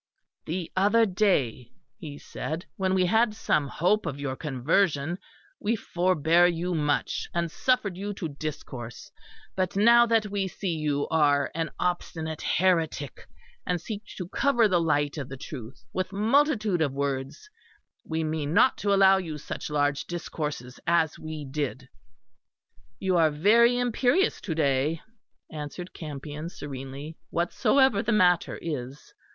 "The other day," he said, "when we had some hope of your conversion, we forbare you much, and suffered you to discourse; but now that we see you are an obstinate heretic, and seek to cover the light of the truth with multitude of words, we mean not to allow you such large discourses as we did." "You are very imperious to day," answered Campion serenely, "whatsoever the matter is.